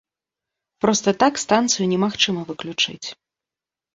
Проста так станцыю немагчыма выключыць.